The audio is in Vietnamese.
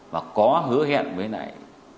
và có hứa hẹn với lại